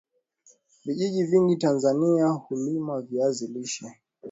Vijiji vingi Tanzania hulima viazi lishe